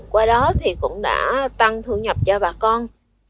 qua đó thì cũng đã tăng thu nhập cho bà con